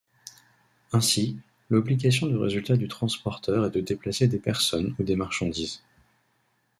Ainsi, l'obligation de résultat du transporteur est de déplacer des personnes ou des marchandises.